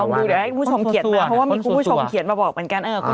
ดูเดี๋ยวให้คุณผู้ชมเขียนตัวเพราะว่ามีคุณผู้ชมเขียนมาบอกเหมือนกัน